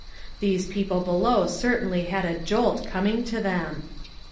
] These people below certainly had a jolt coming to them!